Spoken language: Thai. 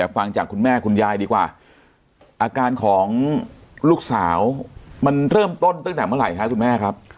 ฟังจากคุณแม่คุณยายดีกว่าอาการของลูกสาวมันเริ่มต้นตั้งแต่เมื่อไหร่คะคุณแม่ครับ